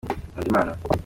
nkunda Imana.